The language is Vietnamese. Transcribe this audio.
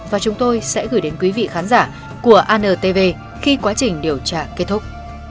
và chúng tôi sẽ gửi đến quý vị khán giả của antv khi quá trình điều tra kết thúc